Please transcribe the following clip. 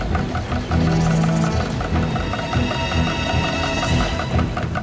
tidak ada siapa di sana